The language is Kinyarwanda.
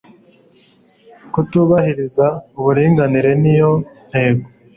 kutubahiriza uburinganire niyo ntego